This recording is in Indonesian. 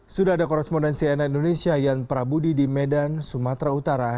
sudah ada korespondensi anak indonesia yang perabudi di medan sumatera utara